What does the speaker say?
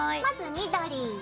緑。